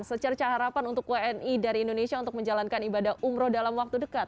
secara harapan untuk wni dari indonesia untuk menjalankan ibadah umrah dalam waktu dekat